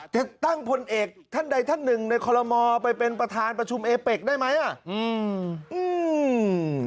จะตั้งพลเอกท่านใดท่านหนึ่งในคอลโมไปเป็นประธานประชุมเอเป็กได้ไหมอ่ะอืมอืม